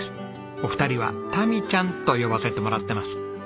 お二人はタミちゃんと呼ばせてもらってます。